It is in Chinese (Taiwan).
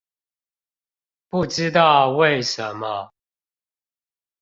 不知道為什麼